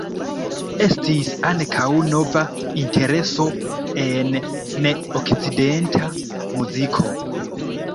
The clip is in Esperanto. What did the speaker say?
Estis ankaŭ nova intereso en ne-okcidenta muziko.